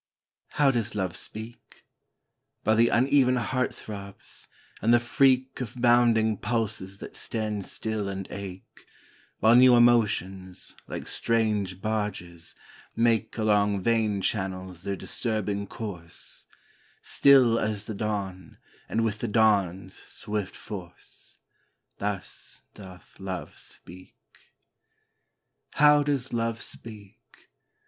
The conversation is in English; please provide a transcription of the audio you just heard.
How does Love speak? By the uneven heart throbs, and the freak Of bounding pulses that stand still and ache, While new emotions, like strange barges, make Along vein channels their disturbing course; Still as the dawn, and with the dawn's swift force Thus doth Love speak. How does Love speak?